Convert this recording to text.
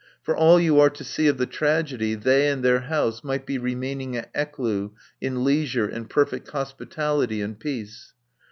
For all you are to see of the tragedy they and their house might be remaining at Ecloo in leisure and perfect hospitality and peace.